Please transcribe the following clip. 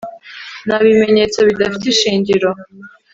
Nta bimenyetso bidafite ishingiro